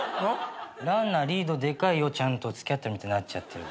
「ランナーリードでかいよちゃん」と付き合ってるみたいになっちゃってる。